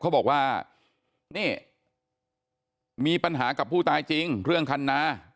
เขาบอกว่านี่มีปัญหากับผู้ตายจริงเรื่องคันนา